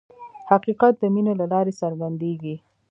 حقیقت د مینې له لارې څرګندېږي.